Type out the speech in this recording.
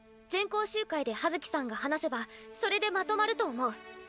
全校集会で葉月さんが話せばそれでまとまると思う。